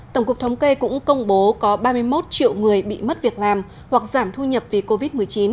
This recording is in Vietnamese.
tổng cục thống kê cũng công bố có ba mươi một triệu người bị mất việc làm hoặc giảm thu nhập vì covid một mươi chín